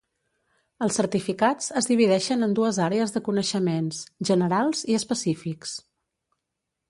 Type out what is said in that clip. Els certificats es divideixen en dues àrees de coneixements: generals i específics.